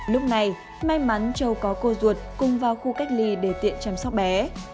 lúc này may mắn châu có cô ruột cùng vào khu cách ly để tiện chăm sóc bé